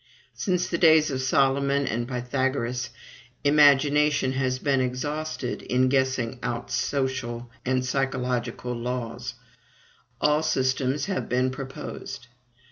Since the days of Solomon and Pythagoras, imagination has been exhausted in guessing out social and psychological laws; all systems have been proposed.